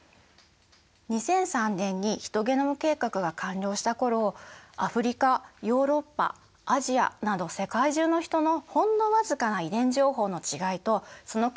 ２００３年にヒトゲノム計画が完了した頃アフリカヨーロッパアジアなど世界中のヒトのほんの僅かな遺伝情報の違いとその組み合わせのパターンを調べる